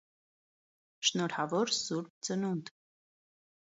Շնորհավոր Սուրբ Ծնունդ